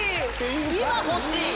今欲しい！